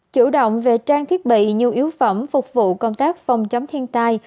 chủ động về trang thiết bị nhu yếu phẩm phục vụ công tác phòng chống thiên tai